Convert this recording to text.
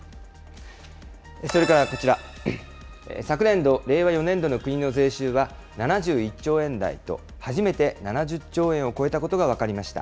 それからこちら、昨年度・令和４年度の国の税収は７１兆円台と、初めて７０兆円を超えたことが分かりました。